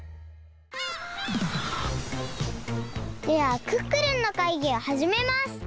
ではクックルンのかいぎをはじめます！